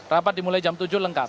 rapat dimulai jam tujuh lengkap